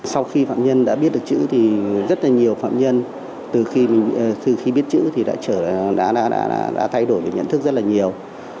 sau khi phạm nhân đã biết được chữ thì rất là nhiều phạm nhân từ khi biết chữ thì đã thay đổi được nhận thức rất là nhiều